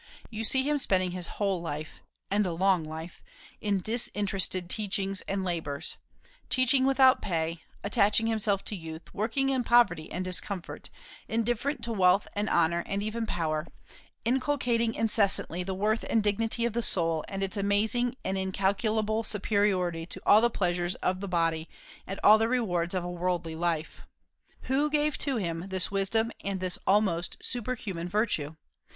You see him spending his whole life, and a long life, in disinterested teachings and labors; teaching without pay, attaching himself to youth, working in poverty and discomfort, indifferent to wealth and honor, and even power, inculcating incessantly the worth and dignity of the soul, and its amazing and incalculable superiority to all the pleasures of the body and all the rewards of a worldly life. Who gave to him this wisdom and this almost superhuman virtue?